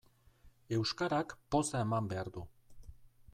Euskarak poza eman behar du.